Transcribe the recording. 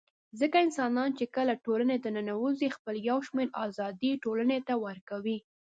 ځکه انسانان چي کله ټولني ته ننوزي خپل يو شمېر آزادۍ ټولني ته ورکوي